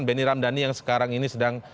benny ramdhani yang sekarang ini sedang